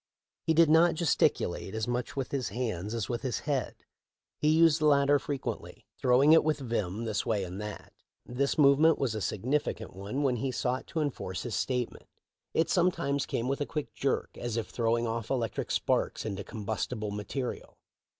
He did not gesticulate as much with his hands as with his head. He used the latter fre quently, throwing it with vim this way and that. This movement was a significant one when he THE LIFE OF LINCOLN. 407 sought to enforce his statement. It sometimes came with a quick jerk, as if throwing off electric sparks into combustible material.